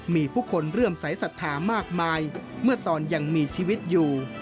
มีผู้คนเริ่มสายศรัทธามากมายเมื่อตอนยังมีชีวิตอยู่